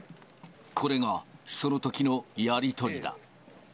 これがそのときのやり取りだ。